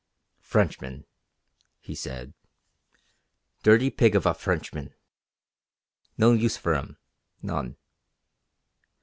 "Frenchman," he said. "Dirty pig of a Frenchman. No use for 'em. None.